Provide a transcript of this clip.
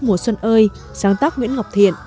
mùa xuân ơi sáng tác nguyễn ngọc thiện